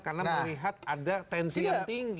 karena melihat ada tensi yang tinggi